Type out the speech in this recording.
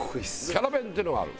キャラ弁っていうのがある。